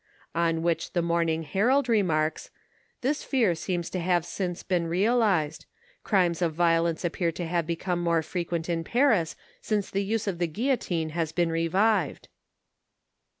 On which the Morning Herald remarks, << this fear seems to have since been realized ; crimes of violence appear to have become more fre quent in Paris since the use of the guillotine has been revived."